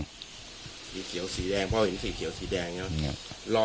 สีเขียวสีแดงพ่อเห็นสีเขียวสีแดงแล้ว